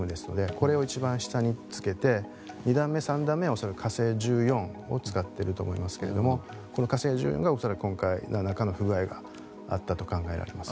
これを一番下につけて２段目、３段目を「火星１４」を使っていると思いますけれどもこの「火星１４」が恐らく今回、何らかの不具合があったと考えられます。